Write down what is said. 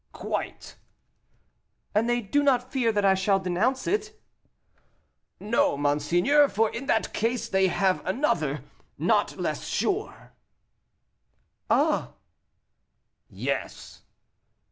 "Quite." "And they do not fear that I shall denounce it?" "No, monseigneur; for in that case, they have another, not less sure." "Ah!" "Yes."